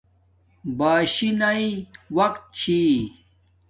باشی ناݵ وقت چھی